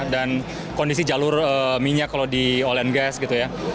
dan kondisi jalur minyak kalau di oil and gas gitu ya